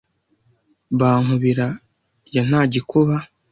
Ba Nkubira ya Ntagikuba